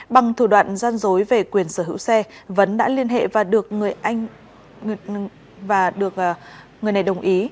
bằng thủ đoạn gian dối về quyền sở hữu xe vấn đã liên hệ và được người này đồng ý